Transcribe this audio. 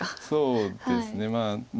そうですねまあ。